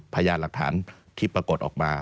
พยานหลักฐานที่ปรากฏออกมา